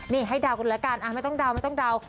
นี่ให้เดากันแล้วกันไม่ต้องเดา